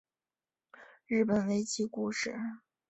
日本围棋故事